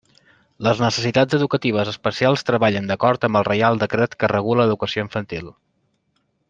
Les necessitats educatives especials treballen d'acord amb el reial decret que regula l'educació infantil.